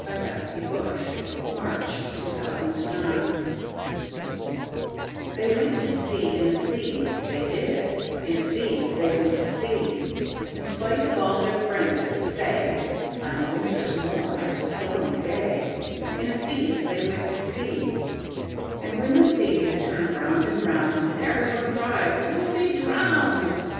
1895. Edward Lear 1812–88 The Jumblies Lear Edw THEY went to sea in a sieve, they did; In a sieve they went to sea; In spite of all their friends could say, On a winter's morn, on a stormy day, In a sieve they went to sea. And when the sieve turn'd round and round, And every one cried, "You 'll be drown'd!"